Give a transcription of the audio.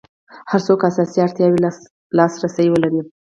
هر څوک اساسي اړتیاوو لاس رسي ولري.